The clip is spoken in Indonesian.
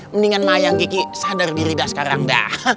mendingan sama ayang kiki sadar diri dah sekarang dah